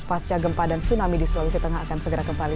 pasca gempa dan tsunami di sulawesi tengah akan segera kembali